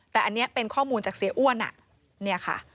แต่อันนี้เป็นข้อมูลจากเสียอ้วน